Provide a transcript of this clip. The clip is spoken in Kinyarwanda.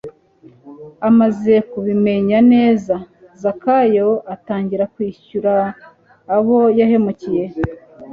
Amaze kubimenya neza, Zakayo atangira kwishyura abo yahemukiye.